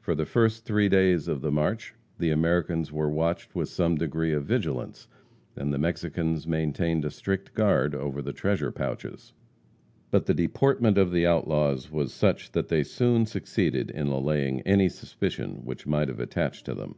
For the first three days of the march the Americans were watched with some degree of vigilance, and the Mexicans maintained a strict guard over the treasure pouches. But the deportment of the outlaws was such that they soon succeeded in allaying any suspicion which might have attached to them.